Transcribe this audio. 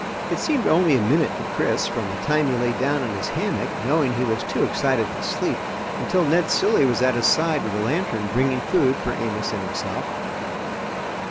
It seemed only a minute to Chris from the time he lay down in his hammock, knowing he was too excited to sleep, until Ned Cilley was at his side with a lantern, bringing food for Amos and himself.